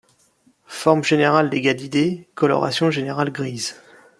Forme générale des gadidés, coloration générale grise.